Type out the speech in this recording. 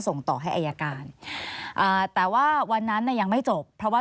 ส่งต่อให้อายการอ่าแต่ว่าวันนั้นเนี่ยยังไม่จบเพราะว่า